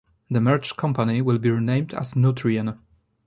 The merged company will be renamed as Nutrien.